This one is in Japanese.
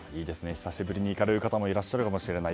久しぶりに行かれる方もいらっしゃるかもしれない。